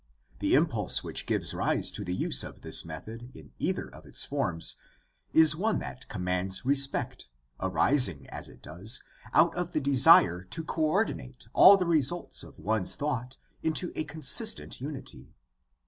The impulse which gives rise to the use of this method in either of its forms is one that commands respect, arising, as it does, THE STUDY OF THE NEW TESTAMENT 177 out of the desire to co ordinate all the results of one's thought into a consistent unity.